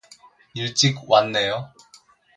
일찍 왔네요.